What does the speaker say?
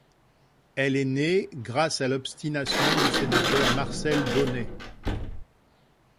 Elle est née grâce à l’obstination du sénateur Marcel Dauney.